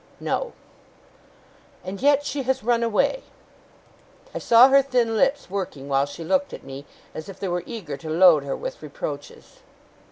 'No.' 'And yet she has run away!' I saw her thin lips working while she looked at me, as if they were eager to load her with reproaches.